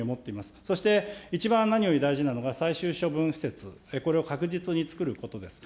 そして、一番何より大事なのが、最終処分施設、これを確実につくることです。